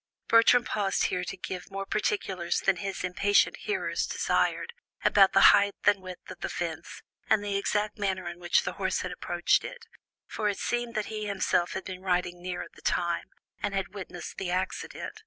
Bertram paused here to give more particulars than his impatient hearers desired, about the height and width of the fence, and the exact manner in which the horse had approached it, for it seemed that he himself had been riding near at the time, and had witnessed the accident.